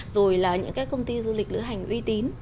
rồi là những cái công ty du lịch lữ hành uy tín